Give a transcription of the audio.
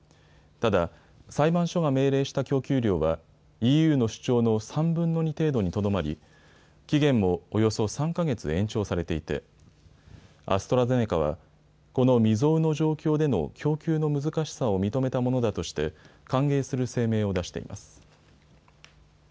ただ、裁判所が命令した供給量はＥＵの主張の３分の２程度にとどまり期限もおよそ３か月延長されていて、アストラゼネカはこの未曽有の状況での供給の難しさを認めたものだとして歓迎する声明を出しています。